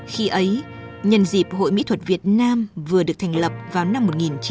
khi ấy nhân dịp hội mỹ thuật việt nam vừa được thành lập vào năm một nghìn chín trăm bảy mươi